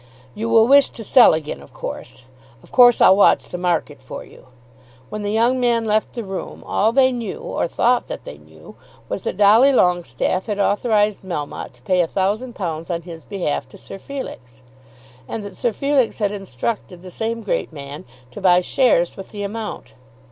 "You will wish to sell again, of course; of course. I'll watch the market for you." When the young men left the room all they knew, or thought that they knew, was, that Dolly Longestaffe had authorised Melmotte to pay a thousand pounds on his behalf to Sir Felix, and that Sir Felix had instructed the same great man to buy shares with the amount.